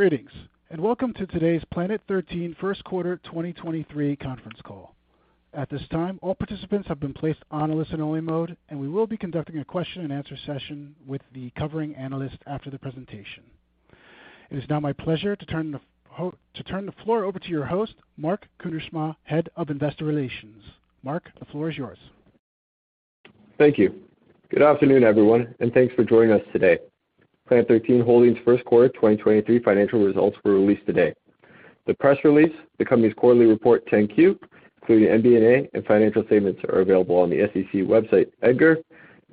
Greetings, welcome to today's Planet 13 First Quarter 2023 Conference Call. At this time, all participants have been placed on a listen-only mode. We will be conducting a question-and-answer session with the covering analyst after the presentation. It is now my pleasure to turn the floor over to your host, Mark Kuindersma, Head of Investor Relations. Mark, the floor is yours. Thank you. Good afternoon, everyone, thanks for joining us today. Planet 13 Holdings first quarter 2023 financial results were released today. The press release, the company's quarterly report 10-Q, including MD&A and financial statements, are available on the SEC website, EDGAR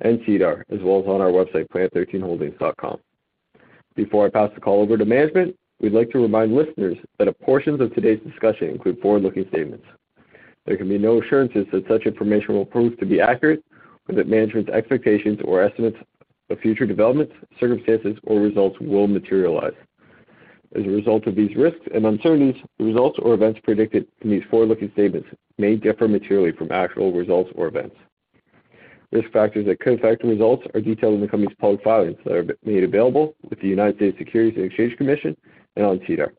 and SEDAR+, as well as on our website, planet13holdings.com. Before I pass the call over to management, we'd like to remind listeners that portions of today's discussion include forward-looking statements. There can be no assurances that such information will prove to be accurate or that management's expectations or estimates of future developments, circumstances, or results will materialize. As a result of these risks and uncertainties, results or events predicted in these forward-looking statements may differ materially from actual results or events. Risk factors that could affect the results are detailed in the company's public filings that are made available with the United States Securities and Exchange Commission and on SEDAR+.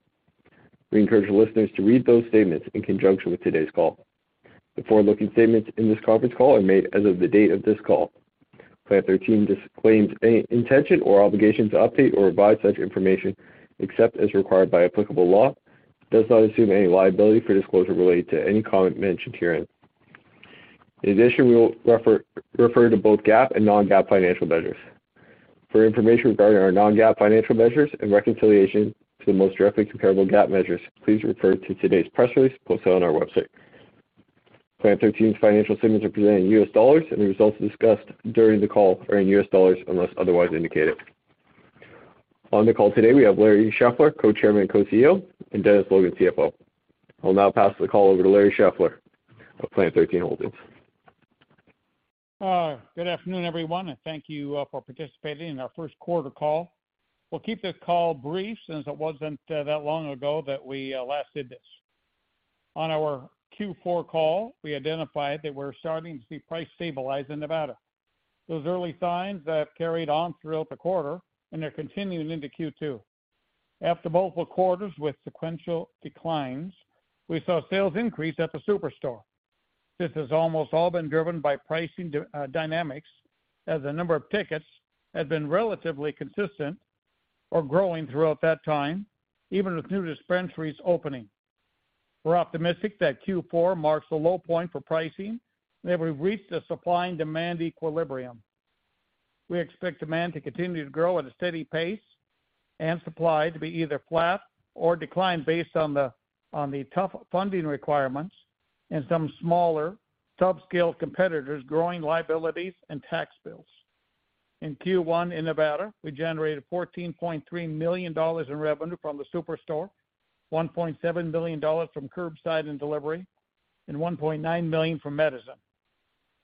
We encourage listeners to read those statements in conjunction with today's call. The forward-looking statements in this conference call are made as of the date of this call. Planet 13 disclaims any intention or obligation to update or revise such information except as required by applicable law. Does not assume any liability for disclosure related to any comment mentioned herein. In addition, we will refer to both GAAP and non-GAAP financial measures. For information regarding our non-GAAP financial measures and reconciliation to the most directly comparable GAAP measures, please refer to today's press release posted on our website. Planet 13's financial statements are presented in US dollars. The results discussed during the call are in US dollars unless otherwise indicated. On the call today, we have Larry Scheffler, Co-chairman and Co-CEO, and Dennis Logan, CFO. I will now pass the call over to Larry Scheffler of Planet 13 Holdings. Good afternoon, everyone, and thank you for participating in our first quarter call. We'll keep this call brief since it wasn't that long ago that we last did this. On our Q4 call, we identified that we're starting to see price stabilize in Nevada. Those early signs that carried on throughout the quarter, and they're continuing into Q2. After multiple quarters with sequential declines, we saw sales increase at the SuperStore. This has almost all been driven by pricing dynamics, as the number of tickets had been relatively consistent or growing throughout that time, even with new dispensaries opening. We're optimistic that Q4 marks a low point for pricing, and that we've reached a supply and demand equilibrium. We expect demand to continue to grow at a steady pace and supply to be either flat or decline based on the tough funding requirements and some smaller subscale competitors growing liabilities and tax bills. In Q1 in Nevada, we generated $14.3 million in revenue from the SuperStore, $1.7 billion from curbside and delivery, and $1.9 million from Medizin.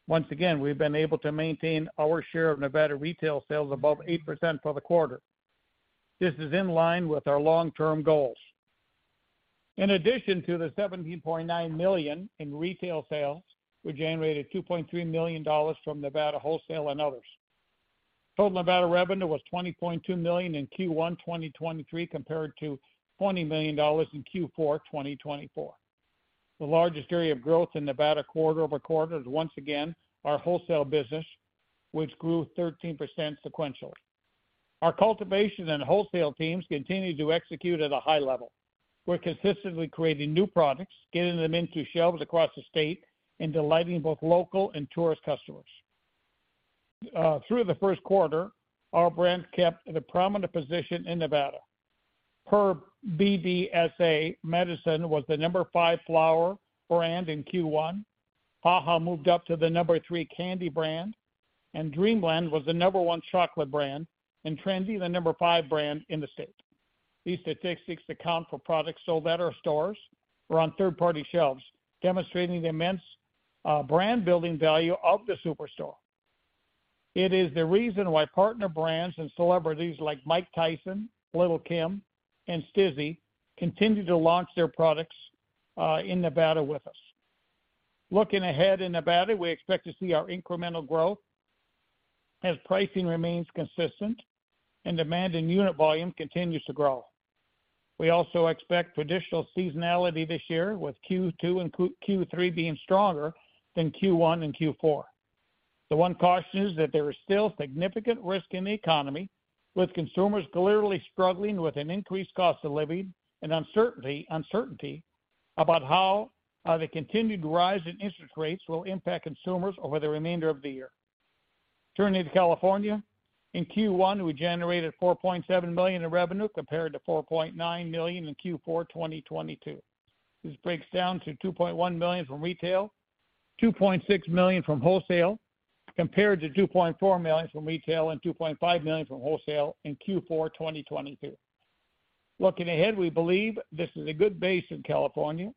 Once again, we've been able to maintain our share of Nevada retail sales above 8% for the quarter. This is in line with our long-term goals. In addition to the $17.9 million in retail sales, we generated $2.3 million from Nevada wholesale and others. Total Nevada revenue was $20.2 million in Q1, 2023, compared to $20 million in Q4, 2024. The largest area of growth in Nevada quarter-over-quarter is once again our wholesale business, which grew 13% sequentially. Our cultivation and wholesale teams continue to execute at a high level. We're consistently creating new products, getting them into shelves across the state, and delighting both local and tourist customers. Through the first quarter, our brands kept in a prominent position in Nevada. Per BDSA, Medizin was the number 5 flower brand in Q1. HaHa moved up to the number 3 candy brand, and Dreamland was the number 1 chocolate brand, and TRENDI, the number 5 brand in the state. These statistics account for products sold at our stores or on third-party shelves, demonstrating the immense brand building value of the SuperStore. It is the reason why partner brands and celebrities like Mike Tyson, Lil' Kim, and STIIIZY continue to launch their products in Nevada with us. Looking ahead in Nevada, we expect to see our incremental growth as pricing remains consistent and demand in unit volume continues to grow. We also expect traditional seasonality this year, with Q2 and Q3 being stronger than Q1 and Q4. The one caution is that there is still significant risk in the economy, with consumers clearly struggling with an increased cost of living and uncertainty about how the continued rise in interest rates will impact consumers over the remainder of the year. Turning to California. In Q1, we generated $4.7 million in revenue, compared to $4.9 million in Q4, 2022. This breaks down to $2.1 million from retail, $2.6 million from wholesale, compared to $2.4 million from retail and $2.5 million from wholesale in Q4, 2022. Looking ahead, we believe this is a good base in California,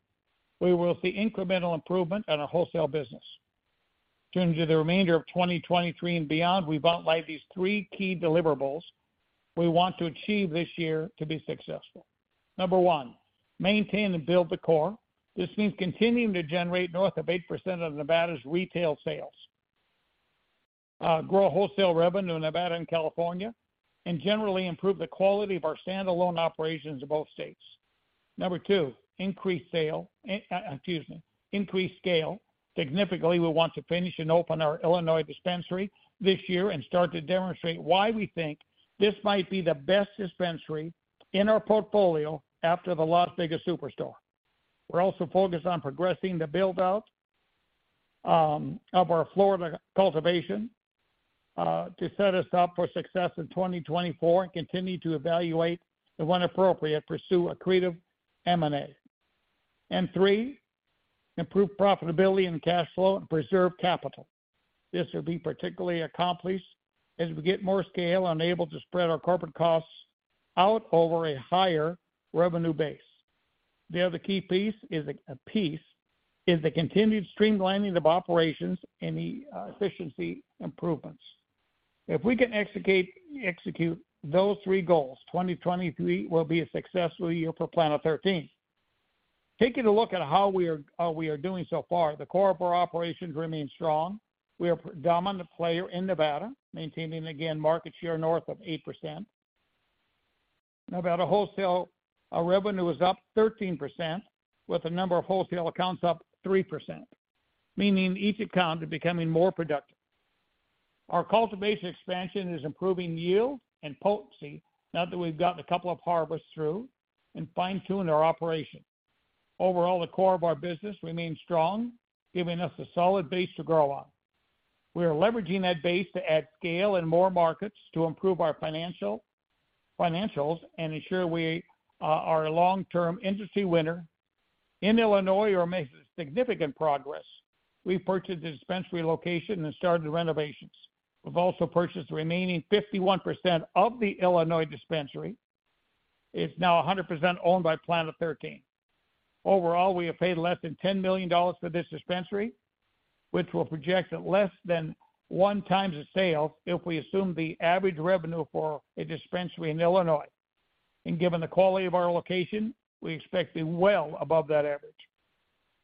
where we'll see incremental improvement in our wholesale business. Turning to the remainder of 2023 and beyond, we've outlined these 3 key deliverables we want to achieve this year to be successful. Number 1, maintain and build the core. This means continuing to generate north of 8% of Nevada's retail sales. Grow wholesale revenue in Nevada and California, and generally improve the quality of our standalone operations in both states. Number 2, increase scale. Significantly, we want to finish and open our Illinois dispensary this year and start to demonstrate why we think this might be the best dispensary in our portfolio after the Las Vegas SuperStore. We're also focused on progressing the build-out of our Florida cultivation to set us up for success in 2024 and continue to evaluate and when appropriate, pursue accretive M&A. Three, improve profitability and cash flow and preserve capital. This will be particularly accomplished as we get more scale and able to spread our corporate costs out over a higher revenue base. The other key piece is the continued streamlining of operations and efficiency improvements. If we can execute those three goals, 2023 will be a successful year for Planet 13. Taking a look at how we are doing so far, the core of our operations remains strong. We are predominant player in Nevada, maintaining again market share north of 8%. Nevada wholesale revenue was up 13% with the number of wholesale accounts up 3%, meaning each account is becoming more productive. Our cultivation expansion is improving yield and potency now that we've gotten a couple of harvests through and fine-tuned our operation. Overall, the core of our business remains strong, giving us a solid base to grow on. We are leveraging that base to add scale in more markets to improve our financials and ensure we are a long-term industry winner. In Illinois, we're making significant progress. We purchased a dispensary location and started the renovations. We've also purchased the remaining 51% of the Illinois dispensary. It's now 100% owned by Planet 13. Overall, we have paid less than $10 million for this dispensary, which will project at less than 1x the sales if we assume the average revenue for a dispensary in Illinois. Given the quality of our location, we expect to be well above that average.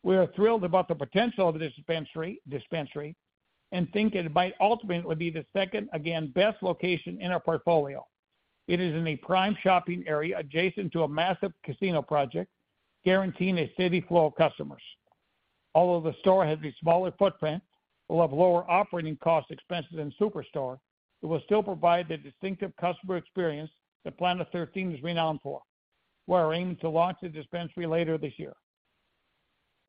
We are thrilled about the potential of the dispensary and think it might ultimately be the second, again, best location in our portfolio. It is in a prime shopping area adjacent to a massive casino project, guaranteeing a steady flow of customers. Although the store has a smaller footprint, we'll have lower operating cost expenses than a SuperStore. It will still provide the distinctive customer experience that Planet 13 is renowned for. We are aiming to launch the dispensary later this year.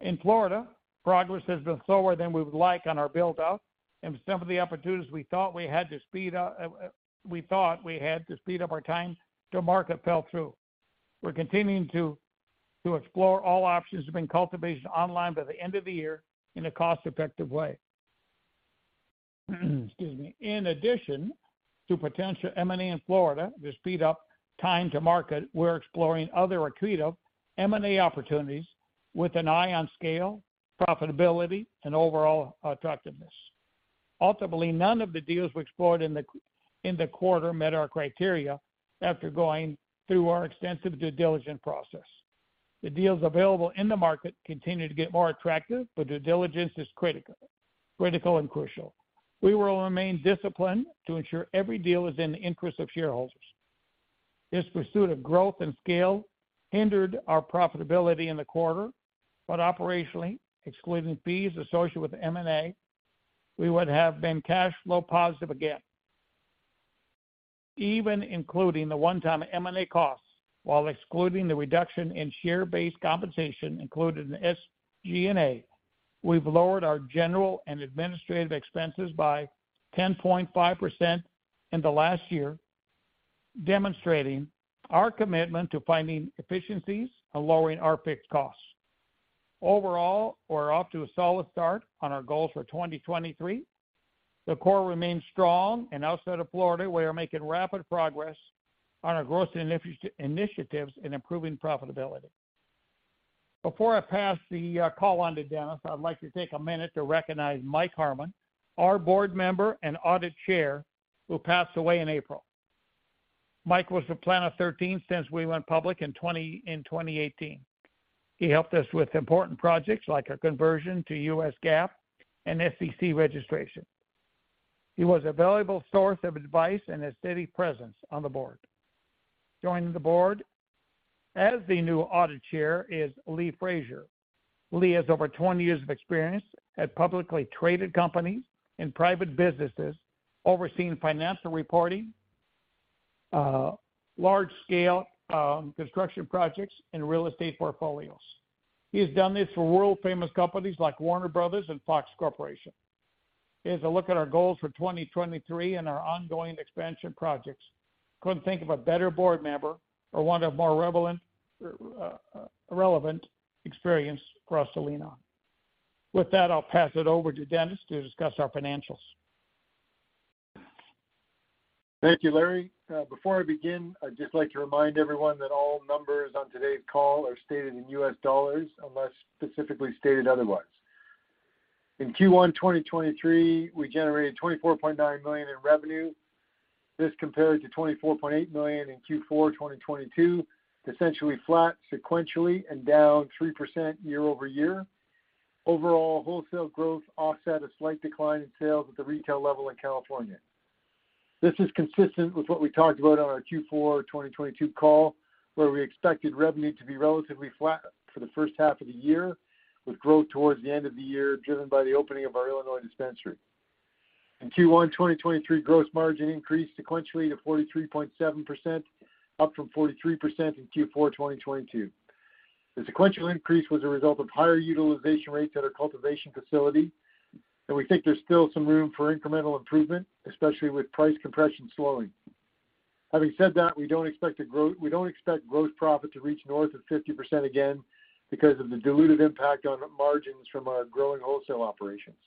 In Florida, progress has been slower than we would like on our build-out. Some of the opportunities we thought we had to speed up our time to market fell through. We're continuing to explore all options to bring cultivation online by the end of the year in a cost-effective way. Excuse me. In addition to potential M&A in Florida to speed up time to market, we're exploring other accretive M&A opportunities with an eye on scale, profitability, and overall attractiveness. Ultimately, none of the deals we explored in the quarter met our criteria after going through our extensive due diligence process. The deals available in the market continue to get more attractive. Due diligence is critical and crucial. We will remain disciplined to ensure every deal is in the interest of shareholders. This pursuit of growth and scale hindered our profitability in the quarter, but operationally, excluding fees associated with M&A, we would have been cash flow positive again. Even including the one-time M&A costs while excluding the reduction in share-based compensation included in SG&A, we've lowered our general and administrative expenses by 10.5% in the last year, demonstrating our commitment to finding efficiencies and lowering our fixed costs. Overall, we're off to a solid start on our goals for 2023. The core remains strong, and outside of Florida, we are making rapid progress on our growth initiatives and improving profitability. Before I pass the call on to Dennis, I'd like to take a minute to recognize Mike Harmon, our board member and audit chair, who passed away in April. Mike was with Planet 13 since we went public in 2018. He helped us with important projects like our conversion to U.S. GAAP and SEC registration. He was a valuable source of advice and a steady presence on the board. Joining the board as the new Audit Chair is Lee Fraser. Lee has over 20 years of experience at publicly traded companies and private businesses, overseeing financial reporting, large-scale construction projects and real estate portfolios. He has done this for world-famous companies like Warner Bros. and Fox Corporation. As we look at our goals for 2023 and our ongoing expansion projects, couldn't think of a better board member or one of more relevant experience for us to lean on. With that, I'll pass it over to Dennis to discuss our financials. Thank you, Larry. Before I begin, I'd just like to remind everyone that all numbers on today's call are stated in U.S. dollars unless specifically stated otherwise. In Q1 2023, we generated $24.9 million in revenue. This compared to $24.8 million in Q4 2022, essentially flat sequentially and down 3% year-over-year. Overall, wholesale growth offset a slight decline in sales at the retail level in California. This is consistent with what we talked about on our Q4 2022 call, where we expected revenue to be relatively flat for the first half of the year, with growth towards the end of the year, driven by the opening of our Illinois dispensary. In Q1 2023, gross margin increased sequentially to 43.7%, up from 43% in Q4 2022. The sequential increase was a result of higher utilization rates at our cultivation facility. We think there's still some room for incremental improvement, especially with price compression slowing. Having said that, we don't expect gross profit to reach north of 50% again because of the dilutive impact on margins from our growing wholesale operations.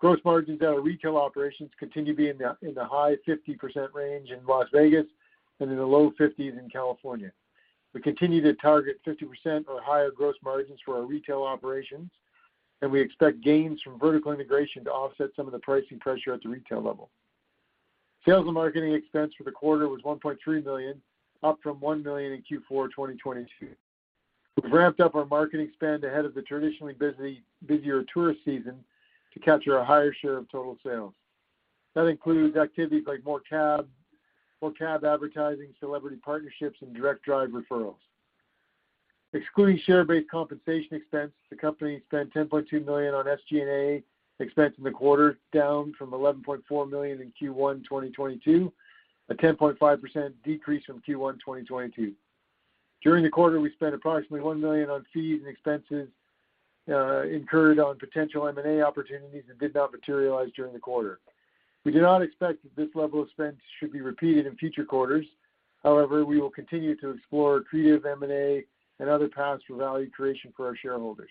Gross margins at our retail operations continue to be in the high 50% range in Las Vegas and in the low 50s in California. We continue to target 50% or higher gross margins for our retail operations. We expect gains from vertical integration to offset some of the pricing pressure at the retail level. Sales and marketing expense for the quarter was $1.3 million, up from $1 million in Q4 2022. We've ramped up our marketing spend ahead of the traditionally busier tourist season to capture a higher share of total sales. That includes activities like more cab advertising, celebrity partnerships, and direct drive referrals. Excluding share-based compensation expense, the company spent $10.2 million on SG&A expense in the quarter, down from $11.4 million in Q1 2022, a 10.5% decrease from Q1 2022. During the quarter, we spent approximately $1 million on fees and expenses incurred on potential M&A opportunities that did not materialize during the quarter. We do not expect that this level of spend should be repeated in future quarters. We will continue to explore accretive M&A and other paths for value creation for our shareholders.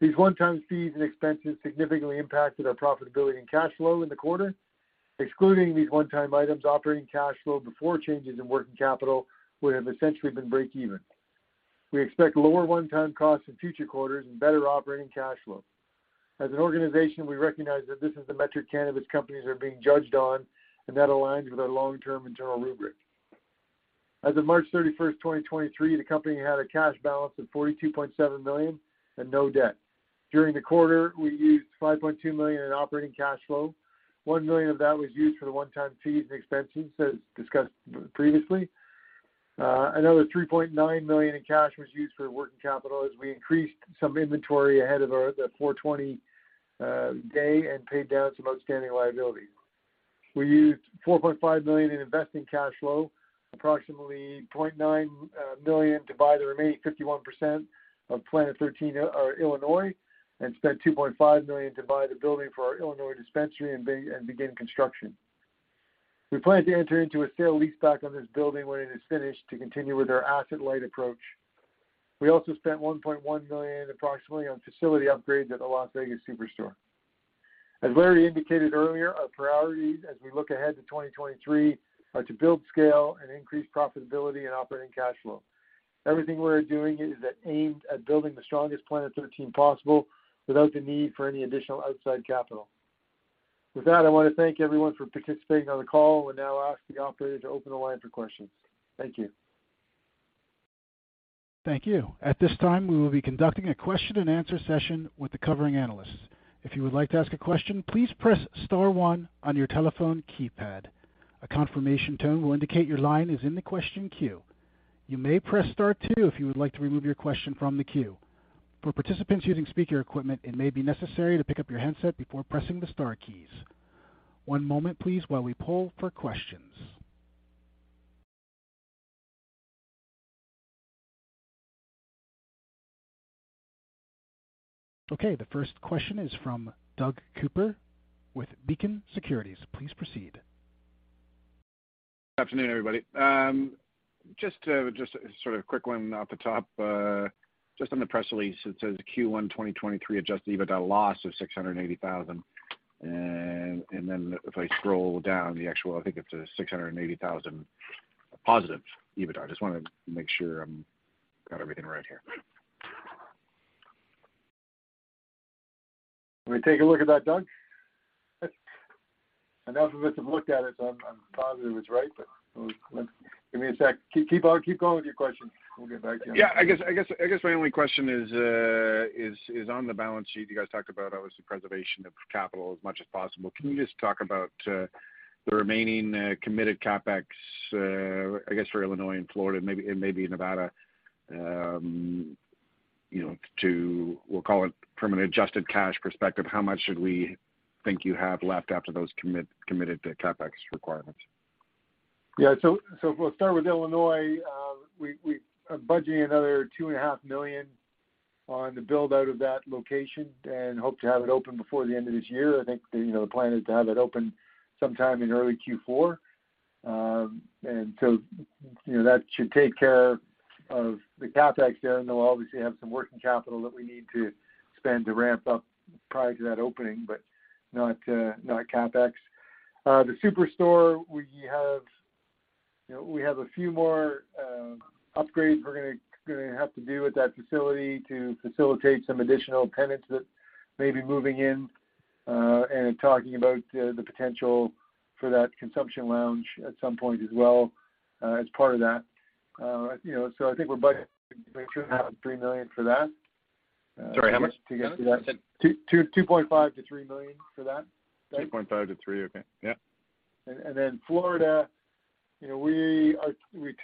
These one-time fees and expenses significantly impacted our profitability and cash flow in the quarter. Excluding these one-time items, operating cash flow before changes in working capital would have essentially been break even. We expect lower one-time costs in future quarters and better operating cash flow. As an organization, we recognize that this is the metric cannabis companies are being judged on. That aligns with our long-term internal rubric. As of March 31st, 2023, the company had a cash balance of $42.7 million and no debt. During the quarter, we used $5.2 million in operating cash flow. $1 million of that was used for the one-time fees and expenses, as discussed previously. Another $3.9 million in cash was used for working capital as we increased some inventory ahead of our, the 4/20 day and paid down some outstanding liability. We used $4.5 million in investing cash flow, approximately $0.9 million to buy the remaining 51% of Planet 13 Illinois, spent $2.5 million to buy the building for our Illinois dispensary and begin construction. We plan to enter into a sale leaseback on this building when it is finished to continue with our asset-light approach. We also spent $1.1 million approximately on facility upgrades at the Las Vegas SuperStore. As Larry indicated earlier, our priorities as we look ahead to 2023 are to build scale and increase profitability and operating cash flow. Everything we're doing is aimed at building the strongest Planet 13 possible without the need for any additional outside capital. With that, I wanna thank everyone for participating on the call. We'll now ask the operator to open the line for questions. Thank you. Thank you. At this time, we will be conducting a question-and-answer session with the covering analysts. If you would like to ask a question, please press star one on your telephone keypad. A confirmation tone will indicate your line is in the question queue. You may press star two if you would like to remove your question from the queue. For participants using speaker equipment, it may be necessary to pick up your handset before pressing the star keys. One moment please, while we poll for questions. Okay, the first question is from Doug Cooper with Beacon Securities. Please proceed. Good afternoon, everybody. just sort of a quick one off the top. just on the press release, it says Q1 2023 adjusted EBITDA loss of $680,000. If I scroll down the actual, I think it's a $680,000 positive EBITDA. Just wanna make sure I'm, got everything right here. Let me take a look at that, Doug. I know some of us have looked at it, so I'm positive it's right, but let give me a sec. Keep on, keep going with your questions. We'll get back to you. Yeah, I guess my only question is on the balance sheet. You guys talked about obviously preservation of capital as much as possible. Can you just talk about the remaining committed CapEx, I guess, for Illinois and Florida, maybe, and maybe Nevada, you know, to we'll call it from an adjusted cash perspective, how much should we think you have left after those committed CapEx requirements? We'll start with Illinois. We are budgeting another $2.5 million on the build-out of that location and hope to have it open before the end of this year. I think the, you know, the plan is to have it open sometime in early Q4. You know, that should take care of the CapEx there, and then we'll obviously have some working capital that we need to spend to ramp up prior to that opening, but not CapEx. The SuperStore, you know, we have a few more upgrades we're gonna have to do with that facility to facilitate some additional tenants that may be moving in, and talking about the potential for that consumption lounge at some point as well, as part of that. You know, I think we're budgeting between $2.5 million-$3 million for that. Sorry, how much? To get to that. $2.5 million-$3 million for that. 2.5 to 3, okay. Yeah. Then Florida, you know,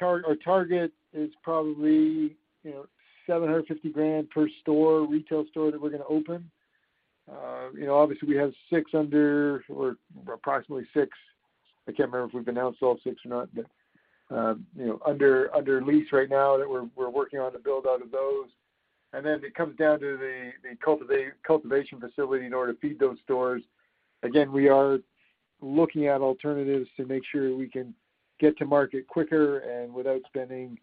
Our target is probably, you know, $750,000 per store, retail store that we're gonna open. you know, obviously we have 6 under or approximately 6, I can't remember if we've announced all 6 or not, but, you know, under lease right now that we're working on the build out of those. Then it comes down to the cultivation facility in order to feed those stores. Again, we are looking at alternatives to make sure we can get to market quicker and without spending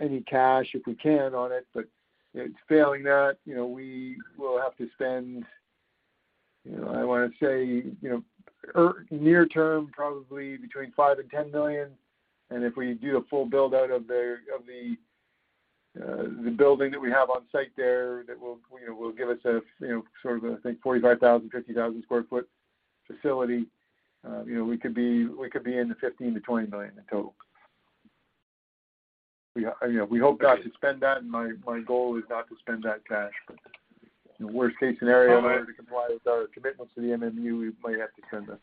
any cash if we can on it. you know, failing that, you know, we will have to spend, you know, I wanna say, you know, near term, probably between $5 million and $10 million. If we do the full build out of the building that we have on site there, that will, you know, give us a, you know, sort of a, I think 45,000-50,000 sq ft facility, you know, we could be in the $15 million-$20 million in total. We, you know, we hope not to spend that, and my goal is not to spend that cash. You know, worst case scenario, in order to comply with our commitments to the MMUR, we might have to spend that.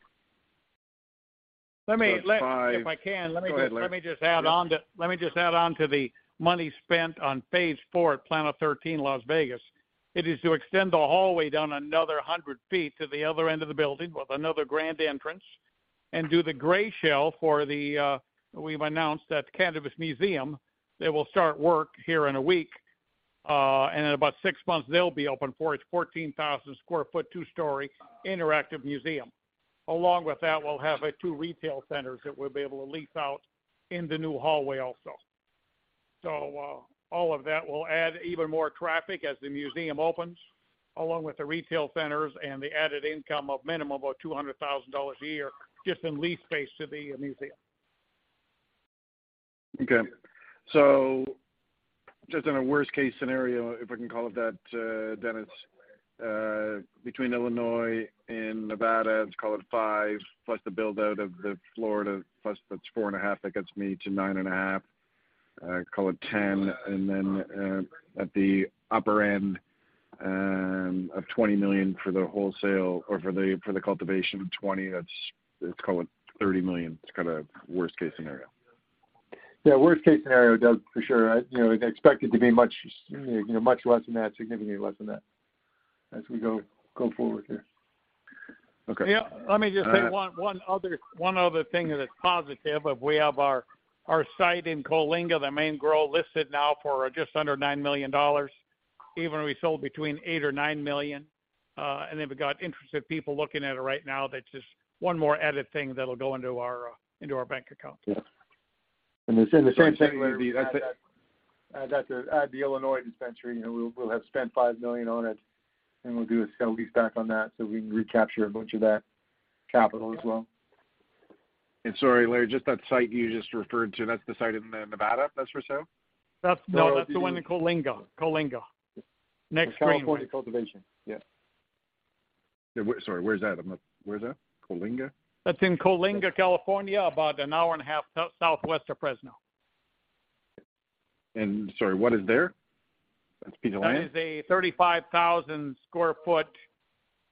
Let me- That's five- If I can- Go ahead, Larry. Let me just add on to the money spent on Phase 4 at Planet 13, Las Vegas. It is to extend the hallway down another 100 feet to the other end of the building with another grand entrance and do the gray shell for the, we've announced, the Cannabis Museum. They will start work here in a week. In about 6 months they'll be open for its 14,000 sq ft, 2-story interactive museum. Along with that, we'll have, like, 2 retail centers that we'll be able to lease out in the new hallway also. All of that will add even more traffic as the museum opens, along with the retail centers and the added income of minimum of $200,000 a year just in lease space to the museum. Just in a worst case scenario, if I can call it that, Dennis, between Illinois and Nevada, let's call it $5 million, plus the build out of the Florida, plus that's $4.5 million, that gets me to $9.5 million, call it $10 million. Then, at the upper end, of $20 million for the wholesale or for the cultivation, that's, let's call it $30 million. That's kind of worst case scenario. Yeah, worst case scenario, Doug, for sure. You know, I expect it to be much, you know, much less than that, significantly less than that as we go forward here. Okay. Yeah. Let me just say one other thing that is positive we have our site in Coalinga, the main grow listed now for just under $9 million. Even we sold between $8 million or $9 million, then we got interested people looking at it right now. That's just one more added thing that'll go into our bank account. Yeah. It's in the same category as that. Add the Illinois dispensary. You know, we'll have spent $5 million on it, and we'll do a sale leaseback on that, we can recapture a bunch of that capital as well. Sorry, Larry, just that site you just referred to, that's the site in the Nevada that's for sale? No, that's the one in Coalinga. The California cultivation. Yeah. Yeah. Sorry, where is that? Where is that? Coalinga? That's in Coalinga, California, about an hour and a half south-southwest of Fresno. Sorry, what is there? That's a piece of land. That is a 35,000 sq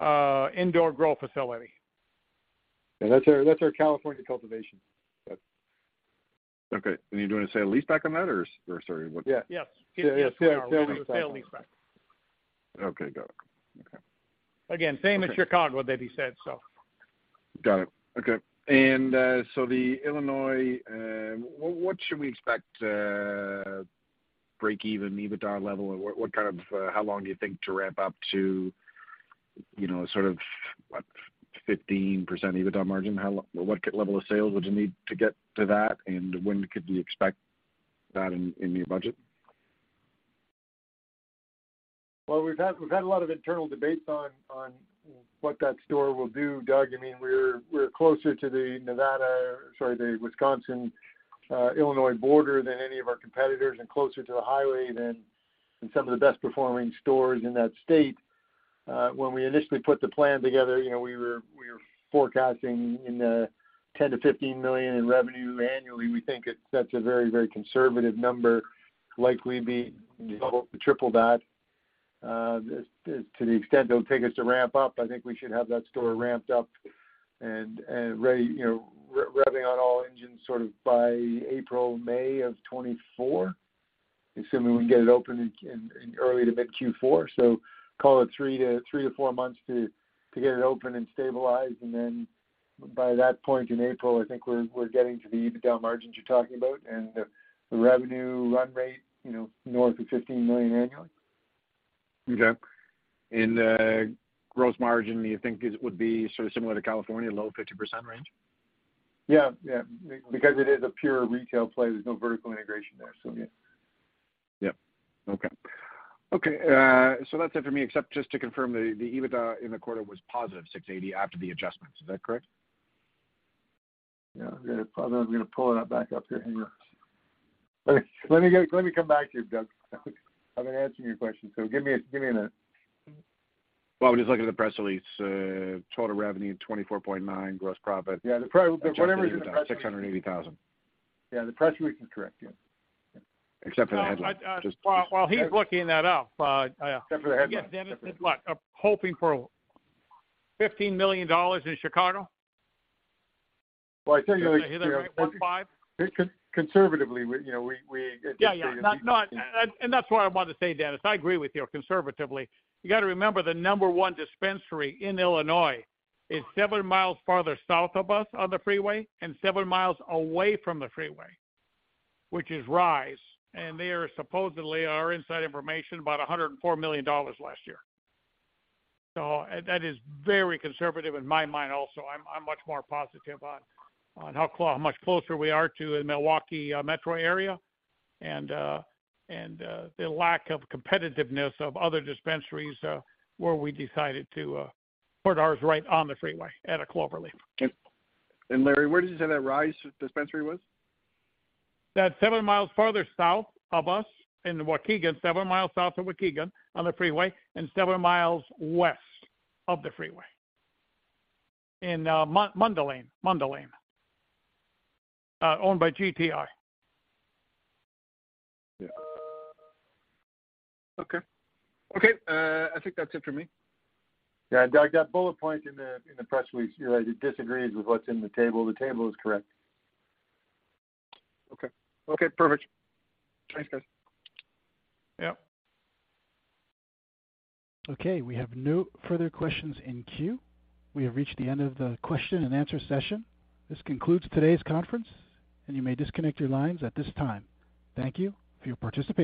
ft indoor grow facility. Yeah. That's our, that's our California cultivation. Okay. you're doing a sale and leaseback on that or sorry, what? Yeah. Yes. Yeah. Sale and leaseback. Sale and leaseback. Okay. Got it. Okay. Same as Chicago that he said, so. Got it. Okay. The Illinois, what should we expect, breakeven EBITDA level? What kind of, how long do you think to ramp up to, you know, sort of, what, 15% EBITDA margin? What level of sales would you need to get to that, and when could we expect that in your budget? Well, we've had a lot of internal debates on what that store will do, Doug. I mean, we're closer to the Nevada, sorry, the Wisconsin, Illinois border than any of our competitors and closer to the highway than some of the best performing stores in that state. When we initially put the plan together, you know, we were forecasting in the $10 million-$15 million in revenue annually. We think it sets a very, very conservative number, likely be double, triple that. To the extent it'll take us to ramp up, I think we should have that store ramped up and ready, you know, re-revving on all engines sort of by April, May of 2024, assuming we can get it open in early to mid Q4. Call it three to four months to get it open and stabilized. By that point in April, I think we're getting to the EBITDA margins you're talking about and the revenue run rate, you know, north of $15 million annually. Okay. gross margin, you think is, would be sort of similar to California, low 50% range? Yeah. Yeah. Because it is a pure retail play, there's no vertical integration there. Yeah. Yep. Okay. Okay, that's it for me, except just to confirm the EBITDA in the quarter was positive $680 after the adjustments. Is that correct? Yeah. Probably I'm gonna pull that back up here, hang on. Let me come back to you, Doug. I've been answering your question, so give me a minute. Well, I'm just looking at the press release. total revenue, $24.9. Gross profit. Yeah, whatever is in the press release- Six hundred and eighty thousand. Yeah, the press release is correct. Yeah. Except for the headline. While he's looking that up, yeah. Except for the headline. Dennis is what? Hoping for $15 million in Chicago? Well, I tell you. Did I hear that right? 15. Con-conservatively, we, you know, we, we- Yeah, yeah. Not, that's what I want to say, Dennis. I agree with you conservatively. You gotta remember the number one dispensary in Illinois is 7 miles farther south of us on the freeway and 7 miles away from the freeway, which is Rise, and they are supposedly, our inside information, about $104 million last year. That is very conservative in my mind also. I'm much more positive on how much closer we are to the Milwaukee metro area and the lack of competitiveness of other dispensaries where we decided to put ours right on the freeway at a cloverleaf. Larry, where did you say that Rise dispensary was? That's 7 miles farther south of us in Waukegan. 7 miles south of Waukegan on the freeway, and 7 miles west of the freeway. In Mundelein, owned by GTI. Yeah. Okay. Okay. I think that's it for me. Yeah. Doug, that bullet point in the press release, you know, it disagrees with what's in the table. The table is correct. Okay. Okay, perfect. Thanks, guys. Yep. Okay, we have no further questions in queue. We have reached the end of the question and answer session. This concludes today's conference, and you may disconnect your lines at this time. Thank you for your participation.